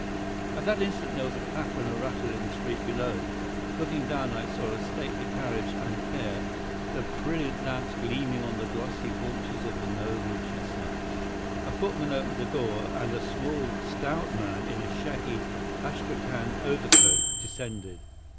At that instant there was a clatter and a rattle in the street below. Looking down I saw a stately carriage and pair, the brilliant lamps gleaming on the glossy haunches of the noble chestnuts. A footman opened the door, and a small, stout man in a shaggy astrachan overcoat descended.